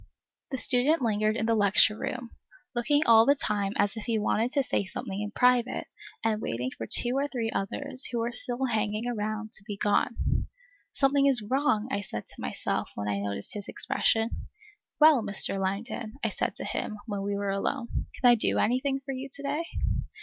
The student lingered in the lecture room, looking all the time as if he wanted to say something in private, and waiting for two or three others, who were still hanging about, to be gone. Something is wrong! I said to myself, when I noticed his expression. Well, Mr. Langdon, I said to him, when we were alone, can I do anything for you to day?